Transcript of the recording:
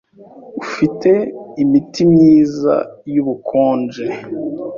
Ufite imiti myiza yubukonje?